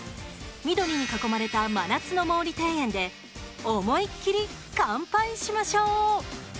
緑に囲まれた真夏の毛利庭園で思いっきり乾杯しましょう！